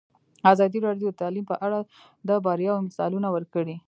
ازادي راډیو د تعلیم په اړه د بریاوو مثالونه ورکړي.